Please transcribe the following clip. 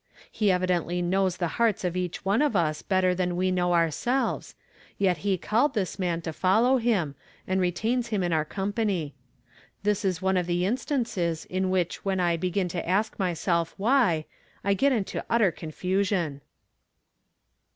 He evi dently knows the hearts of each one of us better than we know ourselves ; yet he called this man to follow him, and retains him in our company. This is one of the instances in which when I begin to ask myself ' Why '? I get into utter con lusion.